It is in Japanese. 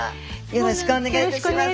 よろしくお願いします。